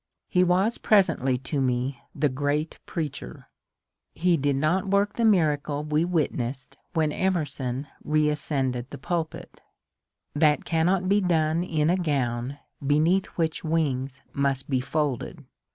He was presently to me the great preacher. He did not work the miracle we witnessed when Emerson reascended the pulpiU That cannot be done in a gown, beneath which wings must be folded.